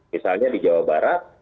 misalnya di jawa barat